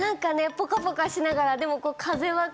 ポカポカしながらでも風はこう。